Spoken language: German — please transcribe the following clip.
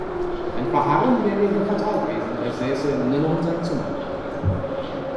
Ein Verharren wäre hier fatal gewesen, er "„säße nur noch in seinem Zimmer.